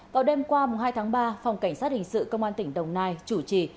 vào đêm qua hai tháng ba phòng cảnh sát hình sự công an tỉnh đồng nai chủ trì